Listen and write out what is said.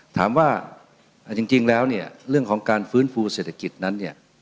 ถามว่าจริงแล้วเนี่ยเรื่องของการฟื้นฟูเศรษฐกิจนั้นเนี่ย